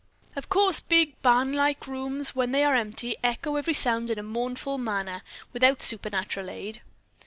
"Of course, big, barnlike rooms, when they are empty, echo every sound in a mournful manner without supernatural aid."